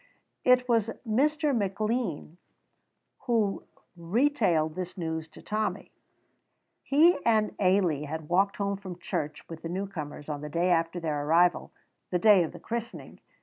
It was Mr. McLean who retailed this news to Tommy. He and Ailie had walked home from church with the newcomers on the day after their arrival, the day of the christening.